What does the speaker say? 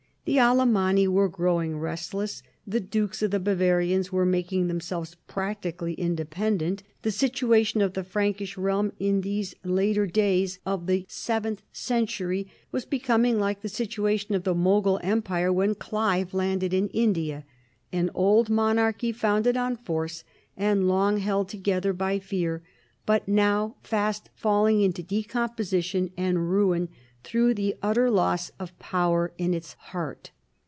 The Alamanni were growing restless, the Dukes of the Bavarians were making themselves practically independent. The sit uation of the Frankish realm in these later years of the EARLY MAYORS OF THE PALACE. 39 seventh century was becoming like the situation of the Mogul Empire when Clive landed in India — an old monarchy founded on force, and long held together by fear, but now fast falling into decomposition and ruin through the utter loss of power in its heart.